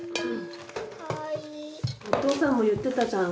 お父さんも言ってたじゃん。